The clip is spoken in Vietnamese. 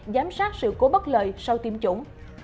giám sát sự cố bất lợi sau tiêm chủng